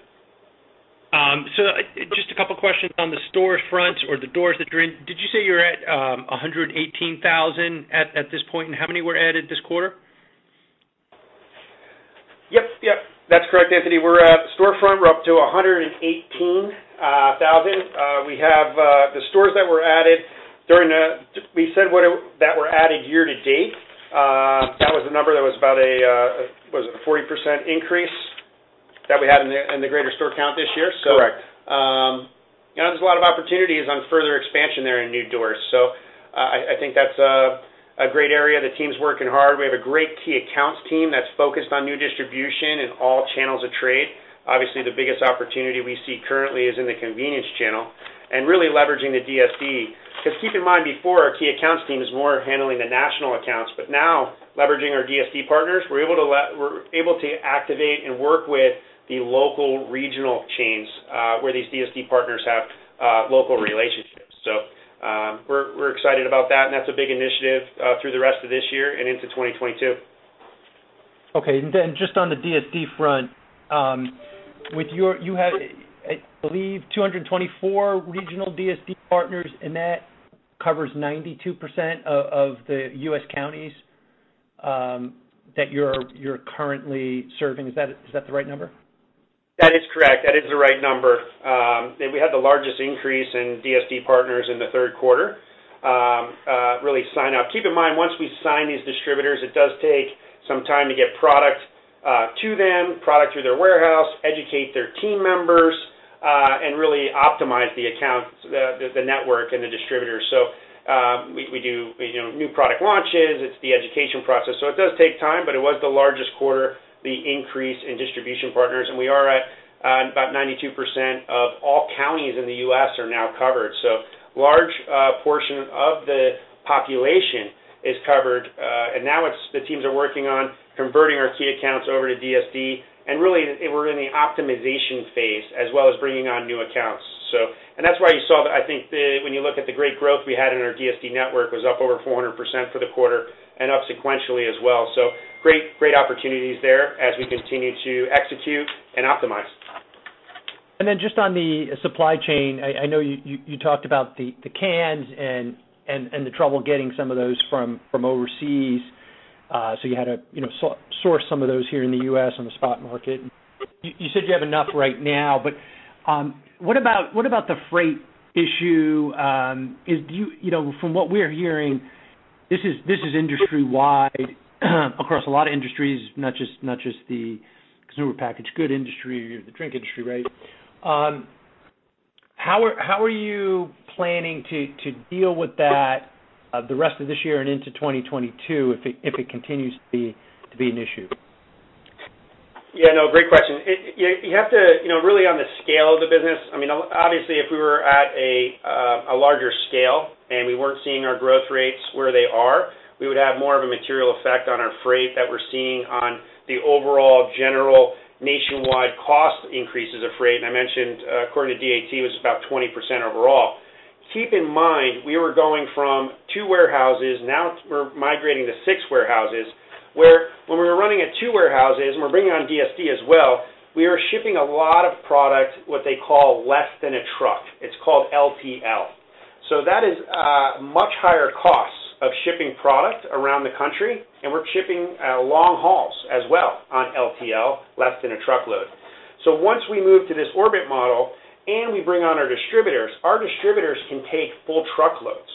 I: Just a couple questions on the store fronts or the doors that you're in. Did you say you're at 118,000 at this point? How many were added this quarter?
C: Yep. That's correct, Anthony. We're up to 118,000. We have the stores that were added during the year to date. That was the number that was about a 40% increase that we had in the greater store count this year.
D: Correct.
C: You know, there's a lot of opportunities on further expansion there in new doors. I think that's a great area. The team's working hard. We have a great key accounts team that's focused on new distribution in all channels of trade. Obviously, the biggest opportunity we see currently is in the convenience channel and really leveraging the DSD. 'Cause keep in mind, before, our key accounts team is more handling the national accounts, but now leveraging our DSD partners, we're able to activate and work with the local regional chains, where these DSD partners have local relationships. We're excited about that, and that's a big initiative through the rest of this year and into 2022.
I: Okay. Just on the DSD front, you have, I believe 224 regional DSD partners, and that covers 92% of the U.S. counties that you're currently serving. Is that the right number?
C: That is correct. That is the right number. We had the largest increase in DSD partners in the third quarter, really sign up. Keep in mind, once we sign these distributors, it does take some time to get product to them, product through their warehouse, educate their team members, and really optimize the accounts, the network and the distributors. We do, you know, new product launches. It's the education process. It does take time, but it was the largest quarter, the increase in distribution partners, and we are at about 92% of all counties in the U.S. are now covered. Large portion of the population is covered. Now it's the teams are working on converting our key accounts over to DSD. Really, we're in the optimization phase as well as bringing on new accounts. That's why you saw that, I think when you look at the great growth we had in our DSD network, was up over 400% for the quarter and up sequentially as well. Great opportunities there as we continue to execute and optimize.
I: Then just on the supply chain, I know you talked about the cans and the trouble getting some of those from overseas. So you had to, you know, source some of those here in the U.S. on the spot market. You said you have enough right now, but what about the freight issue? You know, from what we're hearing, this is industry-wide across a lot of industries, not just the consumer packaged goods industry or the drink industry, right? How are you planning to deal with that, the rest of this year and into 2022 if it continues to be an issue?
C: Yeah. No, great question. You have to, you know, really on the scale of the business, I mean, obviously, if we were at a larger scale and we weren't seeing our growth rates where they are, we would have more of a material effect on our freight that we're seeing on the overall general nationwide cost increases of freight. I mentioned, according to DAT, it was about 20% overall. Keep in mind, we were going from two warehouses, now we're migrating to six warehouses, where when we were running at two warehouses, and we're bringing on DSD as well, we are shipping a lot of product, what they call less than a truck. It's called LTL. That is much higher costs of shipping product around the country, and we're shipping long hauls as well on LTL, less than a truckload. Once we move to this Orbit model and we bring on our distributors, our distributors can take full truckloads.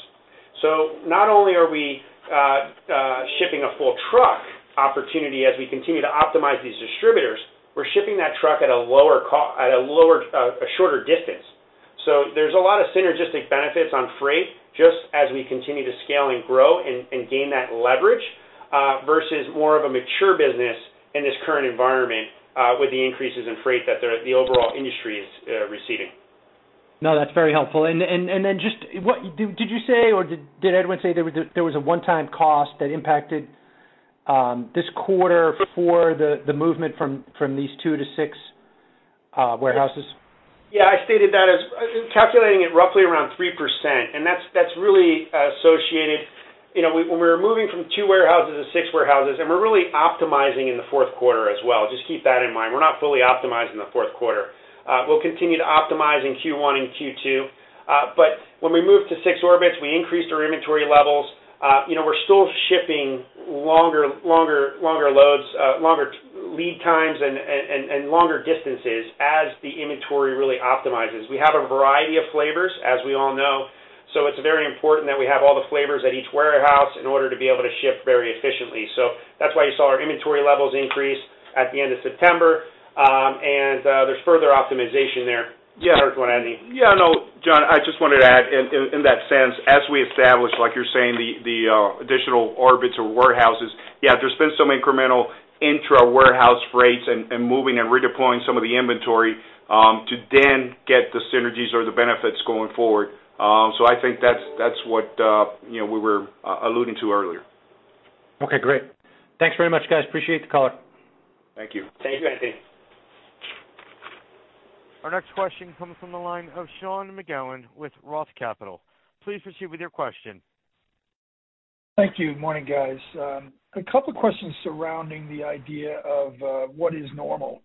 C: Not only are we shipping a full truck opportunity as we continue to optimize these distributors, we're shipping that truck at a lower, a shorter distance. There's a lot of synergistic benefits on freight just as we continue to scale and grow and gain that leverage versus more of a mature business in this current environment with the increases in freight that the overall industry is receiving.
I: No, that's very helpful. Just what did you say or did Edwin say there was a one-time cost that impacted this quarter for the movement from these two to six warehouses?
C: Yeah. I stated that as calculating it roughly around 3%. That's really associated. You know, when we were moving from two warehouses to six warehouses, and we're really optimizing in the fourth quarter as well, just keep that in mind. We're not fully optimized in the fourth quarter. We'll continue to optimize in Q1 and Q2. But when we moved to six Orbits, we increased our inventory levels. You know, we're still shipping longer loads, longer lead times and longer distances as the inventory really optimizes. We have a variety of flavors as we all know. It's very important that we have all the flavors at each warehouse in order to be able to ship very efficiently. That's why you saw our inventory levels increase at the end of September, and there's further optimization there.
D: Yeah.
C: I don't know if you wanna add anything.
D: Yeah. No, John, I just wanted to add in that sense, as we establish, like you're saying, the additional Orbit's or warehouses. Yeah, there's been some incremental intra warehouse rates and moving and redeploying some of the inventory to then get the synergies or the benefits going forward. I think that's what you know we were alluding to earlier.
I: Okay, great. Thanks very much, guys. Appreciate the call.
D: Thank you.
C: Thank you, Anthony.
A: Our next question comes from the line of Sean McGowan with Roth Capital. Please proceed with your question.
J: Thank you. Morning, guys. A couple questions surrounding the idea of what is normal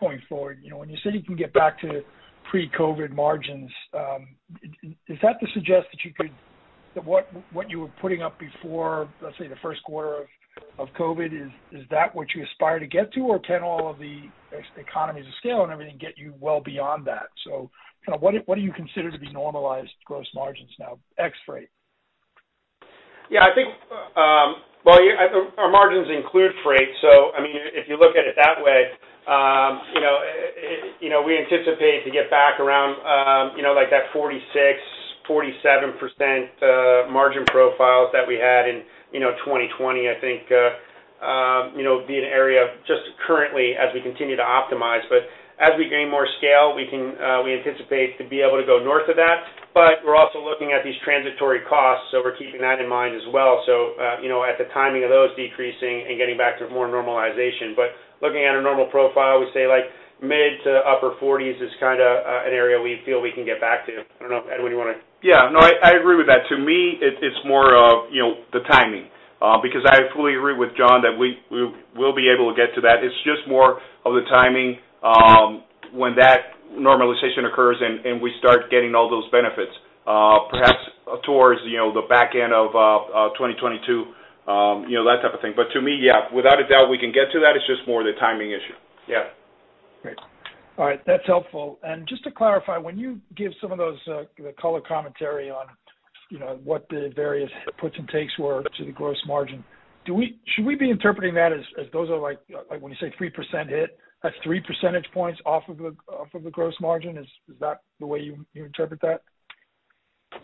J: going forward. You know, when you said you can get back to pre-COVID-19 margins, is that to suggest that you could. That what you were putting up before, let's say the first quarter of COVID-19, is that what you aspire to get to? Or can all of the economies of scale and everything get you well beyond that? Kinda what do you consider to be normalized gross margins now, ex rate?
C: Yeah, I think. Well, I think our margins include freight, so I mean, if you look at it that way, you know, it, you know, we anticipate to get back around, you know, like, that 46%-47% margin profiles that we had in, you know, 2020. I think you know an area just currently as we continue to optimize. As we gain more scale, we can anticipate to be able to go north of that. We're also looking at these transitory costs, so we're keeping that in mind as well, so, you know, at the timing of those decreasing and getting back to more normalization. Looking at a normal profile, we say, like, mid- to upper 40s% is kinda an area we feel we can get back to. I don't know, Edwin, you wanna?
D: Yeah. No, I agree with that. To me, it's more of, you know, the timing, because I fully agree with John that we will be able to get to that. It's just more of the timing, when that normalization occurs and we start getting all those benefits, perhaps towards, you know, the back end of 2022, you know, that type of thing. But to me, yeah, without a doubt we can get to that. It's just more the timing issue. Yeah.
J: Great. All right. That's helpful. Just to clarify, when you give some of those, the color commentary on, you know, what the various puts and takes were to the gross margin, should we be interpreting that as those are like when you say 3% hit, that's three percentage points off of the gross margin? Is that the way you interpret that?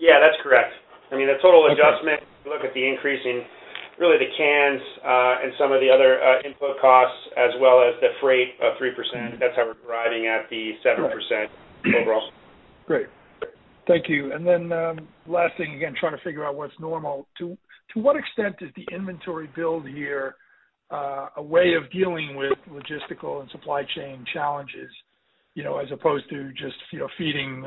C: Yeah, that's correct. I mean, the total adjustment.
J: Okay.
C: If you look at the increase in really the cans and some of the other input costs as well as the freight of 3%, that's how we're arriving at the 7% overall.
J: Great. Thank you. Last thing, again, trying to figure out what's normal. To what extent is the inventory build here a way of dealing with logistical and supply chain challenges, you know, as opposed to just, you know, feeding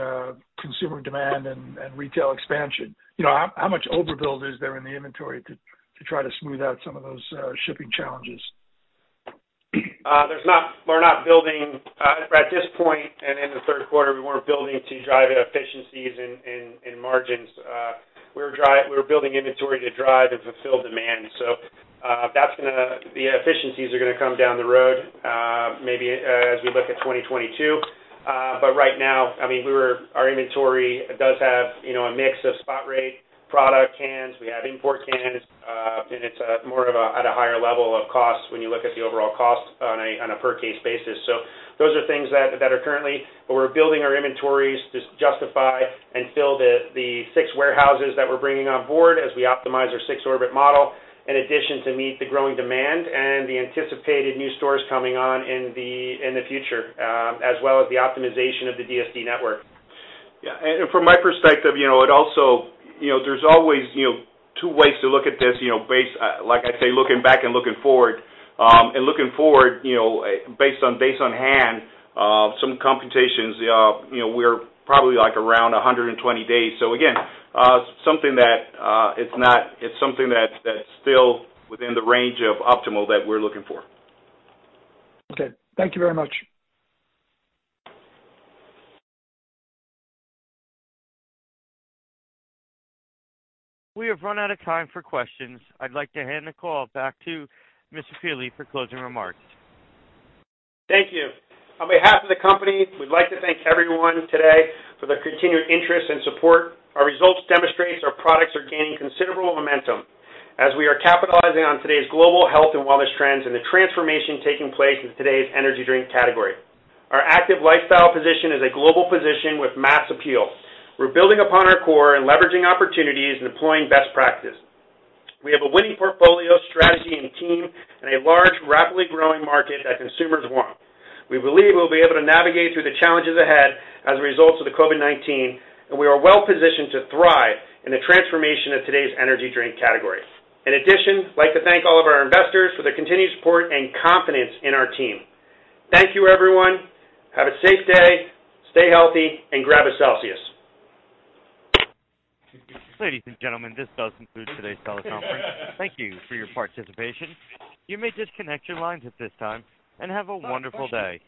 J: consumer demand and retail expansion? You know, how much overbuild is there in the inventory to try to smooth out some of those shipping challenges?
C: We're not building at this point and in the third quarter, we weren't building to drive efficiencies in margins. We're building inventory to drive and fulfill demand. The efficiencies are gonna come down the road, maybe, as we look at 2022. Right now, I mean, our inventory does have, you know, a mix of spot rate product cans. We have import cans. It's more of a, at a higher level of cost when you look at the overall cost on a per case basis. Those are things that are currently. We're building our inventories to justify and fill the six warehouses that we're bringing on board as we optimize our six Orbit model, in addition to meet the growing demand and the anticipated new stores coming on in the future, as well as the optimization of the DSD network.
D: Yeah. From my perspective, you know, it also. You know, there's always two ways to look at this, you know, based, like I say, looking back and looking forward. Looking forward, you know, based on hand some computations, you know, we're probably, like, around 120 days. So again, something that's still within the range of optimal that we're looking for.
J: Okay. Thank you very much.
A: We have run out of time for questions. I'd like to hand the call back to Mr. Fieldly for closing remarks.
C: Thank you. On behalf of the company, we'd like to thank everyone today for their continued interest and support. Our results demonstrates our products are gaining considerable momentum as we are capitalizing on today's global health and wellness trends and the transformation taking place in today's energy drink category. Our active lifestyle position is a global position with mass appeal. We're building upon our core and leveraging opportunities and employing best practice. We have a winning portfolio strategy and team and a large, rapidly growing market that consumers want. We believe we'll be able to navigate through the challenges ahead as a result of the COVID-19, and we are well-positioned to thrive in the transformation of today's energy drink category. In addition, I'd like to thank all of our investors for their continued support and confidence in our team. Thank you, everyone. Have a safe day, stay healthy, and grab a Celsius.
A: Ladies and gentlemen, this does conclude today's teleconference. Thank you for your participation. You may disconnect your lines at this time, and have a wonderful day.